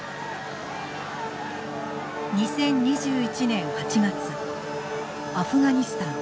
２０２１年８月アフガニスタン。